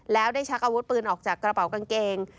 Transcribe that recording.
แล้วได้ชักอาวุธปืนออกจากกระเป๋ากางเกง